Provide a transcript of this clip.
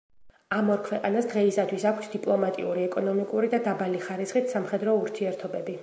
ამ ორ ქვეყანას დღეისათვის აქვთ დიპლომატიური, ეკონომიკური და დაბალი ხარისხით სამხედრო ურთიერთობები.